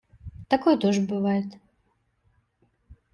Такое тоже бывает.